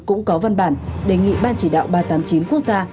cũng có văn bản đề nghị ban chỉ đạo ba trăm tám mươi chín quốc gia